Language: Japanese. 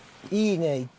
いいね。